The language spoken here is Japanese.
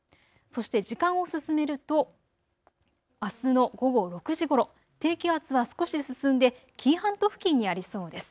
そして時間を進めるとあすの午後６時ごろ、低気圧は少し進んで紀伊半島付近にありそうです。